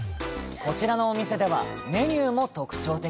こちらのお店では、メニューも特徴的。